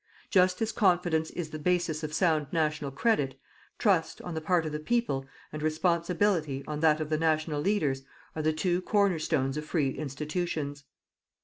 Just as confidence is the basis of sound national credit, trust, on the part of the people, and responsibility, on that of the national leaders, are the two cornerstones of free institutions.